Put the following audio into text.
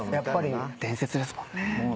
伝説ですもんね。